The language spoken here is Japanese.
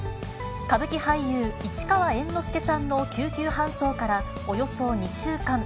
歌舞伎俳優、市川猿之助さんの救急搬送からおよそ２週間。